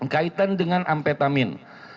kaitan dengan ampetamin